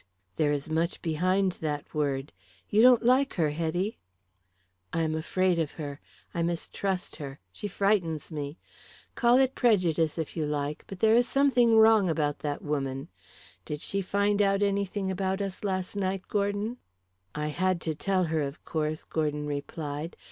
There is much behind that word. You don't like her, Hetty?" "I am afraid of her; I mistrust her; she frightens me. Call it prejudice if you like, but there is something wrong about that woman. Did she find out anything about us last night, Gordon?" "I had to tell her, of course," Gordon replied.